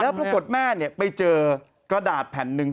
แล้วปรากฏแม่นี่ไปเจอประดาษแผนหนึ่ง